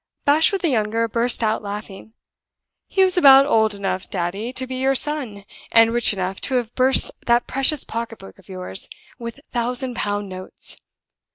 Bashwood the younger burst out laughing. "He was about old enough, daddy, to be your son, and rich enough to have burst that precious pocket book of yours with thousand pound notes!